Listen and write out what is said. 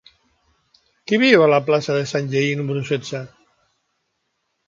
Qui viu a la plaça de Sanllehy número setze?